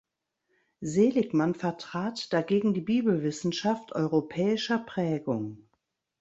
Seeligmann vertrat dagegen die Bibelwissenschaft europäischer Prägung.